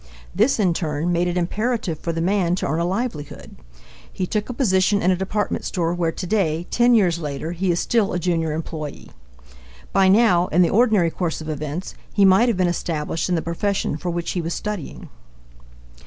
This, in turn, made it imperative for the man to earn a livelihood. He took a position in a department store where today ten years later he is still a junior employee. By now, in the ordinary course of events, he might have been established in the profession for which he was studying.